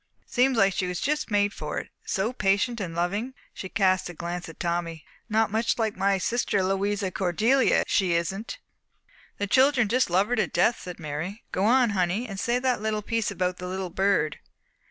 Seems like she was just made for it, so patient and loving." She cast a glance at Tommy. "Not much like my sister Louisa Cordelia, she isn't." "The children just love her to death," said Mary. "Go on, honey, and say the little piece about the little bird."